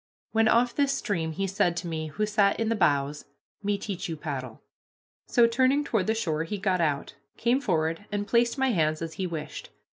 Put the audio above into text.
When off this stream he said to me, who sat in the bows, "Me teach you paddle." So, turning toward the shore, he got out, came forward, and placed my hands as he wished.